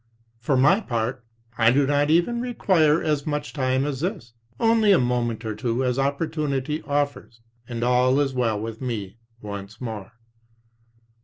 For my part, I do not even require as much time as this. Only a moment or two as opportunity offers, and all is well with me once more.